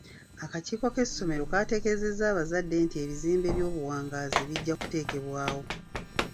Akakiiko k'essomero kategeezezza abazadde nti ebizimbe eby'obuwangaazi bijja kuteekebwawo.